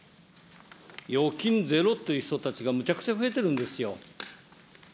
預金ゼロっていう人たちがむちゃくちゃ増えてるんですよ。